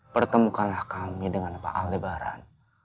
pertemukanlah kami dengan pak aldebaran